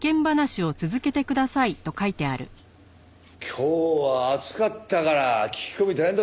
今日は暑かったから聞き込み大変だったろ？